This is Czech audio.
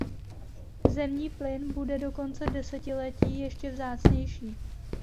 Zemní plyn bude do konce desetiletí ještě vzácnější.